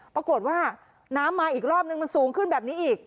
ปรากฏว่าน้ำมาอีกรอบนึงมันสูงขึ้นแบบนี้อีก